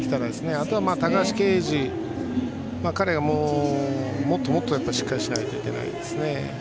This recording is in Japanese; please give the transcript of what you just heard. あとは高橋奎二彼はもっともっとしっかりしないといけないですね。